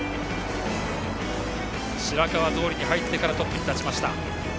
白川通に入ってからトップに立ちました。